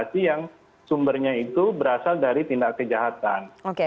kita harus mencari sumbernya itu berasal dari tindak kejahatan